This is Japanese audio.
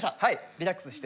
リラックスして。